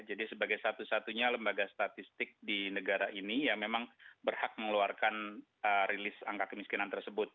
jadi sebagai satu satunya lembaga statistik di negara ini yang memang berhak mengeluarkan rilis angka kemiskinan tersebut